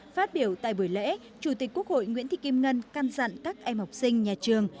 phát biểu tại buổi lễ chủ tịch quốc hội nguyễn thị kim ngân căn dặn các em học sinh nhà trường